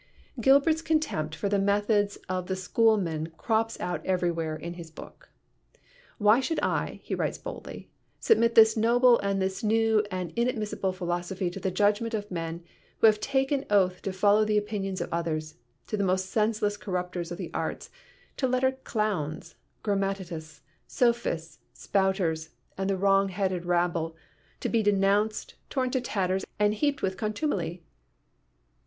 " Gilbert's contempt for the methods of the schoolmen crops out everywhere in his book. "Why should I," he writes boldly, "submit this noble and this new and inad missible philosophy to the judgment of men who have taken oath to follow the opinions of others, to the most senseless corrupters of the arts, to lettered clowns, gram matists, sophists, spouters and the wrong headed rabble, to be denounced, torn to tatters and heaped with contumely?